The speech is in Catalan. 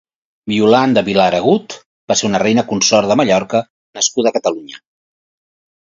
Violant de Vilaragut va ser una reina consort de Mallorca nascuda a Catalunya.